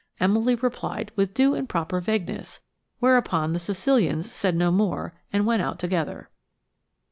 Emily replied with due and proper vagueness, whereupon the Sicilians said no more and went out together.